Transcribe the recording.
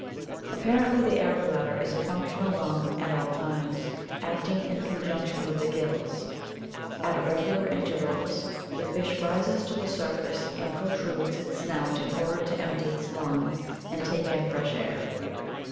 Apparently the air bladder is a functional lung at all times, acting in conjunction with the gills. At irregular intervals the fish rises to the surface and protrudes its snout in order to empty its lung and take in fresh air.